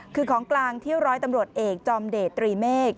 คือของกลางที่ร้อยตำรวจเอกจอมเดชตรีเมฆ